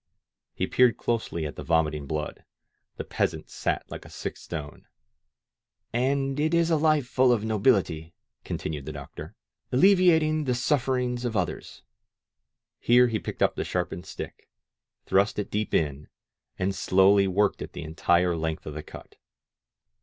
He peered closely at the vomiting blood; the peasant sat like a sick stone. ^^And it is a life full of nobility," continued the doctor. Alleviating the suf ferings of others." Here he picked up the sharpened stick, thrust it deep in, and slotdtf worked it the entire length of the cut!